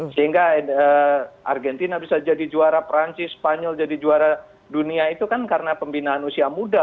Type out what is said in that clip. sehingga argentina bisa jadi juara perancis spanyol jadi juara dunia itu kan karena pembinaan usia muda